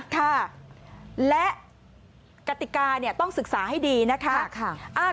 ค่ะและกติกาต้องศึกษาให้ดีนะคะ